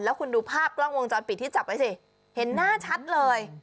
แล้วคุณดูภาพกล้องวงจรปิดที่จับไว้สิเห็นหน้าชัดเลย